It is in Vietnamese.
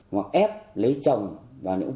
hoặc ép lấy chồng vào những bộ